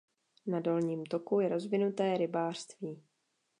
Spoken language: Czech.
Na dolním toku je rozvinuté rybářství.